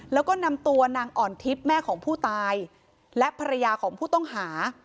แล้วก็นำตัวนางอ่อนทิพย์แม่ของผู้ตายและภรรยาของผู้ต้องหา